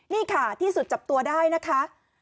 นี่ค่ะที่สุดจับตัวได้นะคะ